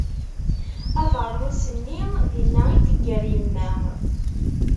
Abernus-nni dinna i t-teggar yemma.